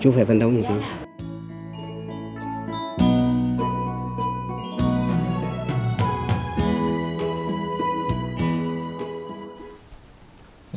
chú phải phân đấu một ngày thôi